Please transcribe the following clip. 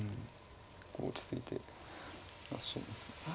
落ち着いていらっしゃいますね。